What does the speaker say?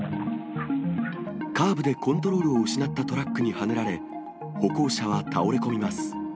カーブでコントロールを失ったトラックにはねられ、歩行者は倒れ込みます。